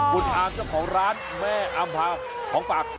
คุณอาร์มเจ้าของร้านแม่อำภาของฝาก